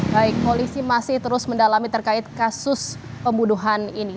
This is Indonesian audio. baik polisi masih terus mendalami terkait kasus pembunuhan ini